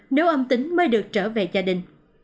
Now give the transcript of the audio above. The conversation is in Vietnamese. nếu âm tính mới được trở về gia đình